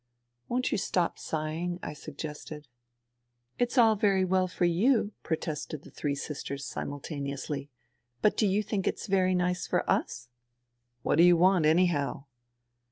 " Won't you stop sighing ?" I suggested. " It's all very well for you," protested the three sisters simultaneously. '' But do you think it's very nice for us ?"^" What do you want, anyhow